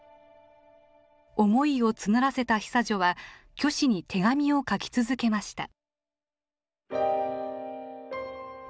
思いを募らせた久女は虚子に手紙を書き続けました。